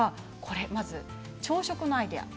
まず朝食のアイデアです。